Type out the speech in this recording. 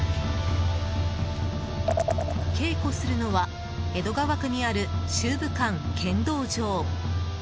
稽古するのは江戸川区にある修武館剣道場。